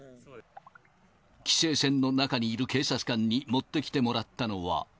規制線の中にいる警察官に持ってきてもらったのは。